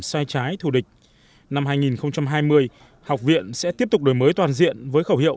sai trái thù địch năm hai nghìn hai mươi học viện sẽ tiếp tục đổi mới toàn diện với khẩu hiệu